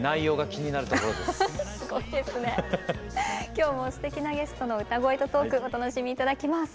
今日もすてきなゲストの歌声とトークお楽しみ頂きます。